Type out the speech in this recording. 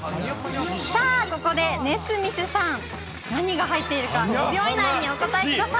さあ、ここでＮＥＳＭＩＴＨさん、何が入っているか５秒以内にお答えください。